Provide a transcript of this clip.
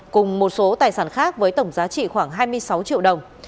cùng một số tài sản khác với tổng giá trị khoảng hai mươi sáu triệu đồng